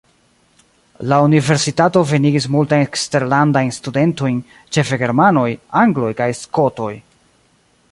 La universitato venigis multajn eksterlandajn studentojn, ĉefe germanoj, angloj kaj skotoj.